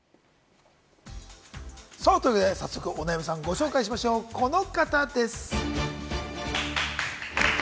というわけで早速のお悩みさんをご紹介しましょう、この方です。